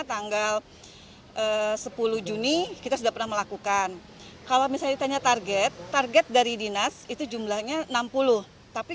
tanggal sepuluh juni costume lakukan kalau misalnya target target dari dinas itu jumlahnya enam puluh tapi